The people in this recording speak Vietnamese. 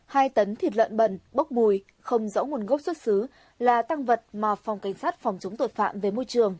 hai tấn thịt lợn bẩn bốc mùi không rõ nguồn gốc xuất xứ là tăng vật mà phòng cảnh sát phòng chống tội phạm về môi trường